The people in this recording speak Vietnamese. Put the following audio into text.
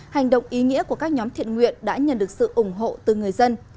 hành động ý nghĩa của các nhóm thiện nguyện đã nhận được sự ủng hộ từ người dân